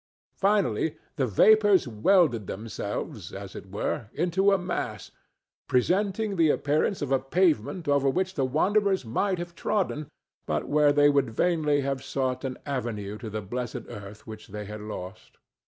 Finally the vapors welded themselves, as it were, into a mass, presenting the appearance of a pavement over which the wanderers might have trodden, but where they would vainly have sought an avenue to the blessed earth which they had lost.